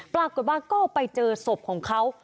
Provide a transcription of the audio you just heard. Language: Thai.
ปรากฏว่าก็ไปเจอศพของเขา